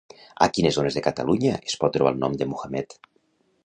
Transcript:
A quines zones de Catalunya es pot trobar el nom Mohamed?